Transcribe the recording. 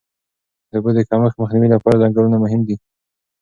د اوبو د کمښت مخنیوي لپاره ځنګلونه مهم دي.